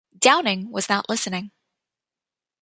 Downing was not listening.